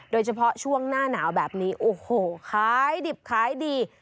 โดยเฉพาะช่วงหน้าหนาวแบบนี้โอ้โหขายดิบขายดี